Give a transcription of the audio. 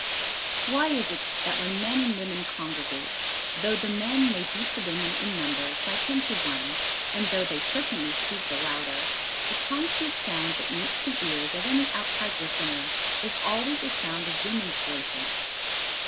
Why is it that when men and women congregate, though the men may beat the women in numbers by ten to one, and though they certainly speak the louder, the concrete sound that meets the ears of any outside listener is always a sound of women's voices?